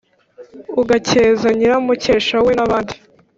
ugakeza nyiramukesha we n'abandi